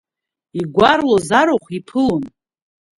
Игәарлоз арахә иԥылон.